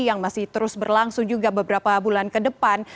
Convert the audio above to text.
yang masih terus berlangsung juga beberapa bulan ke depan